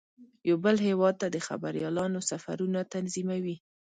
یو بل هیواد ته د خبریالانو سفرونه تنظیموي.